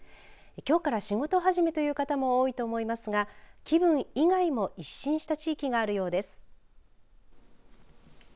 きょうから仕事始めという方も多いと思いますが気分以外も一新した地域があるようです。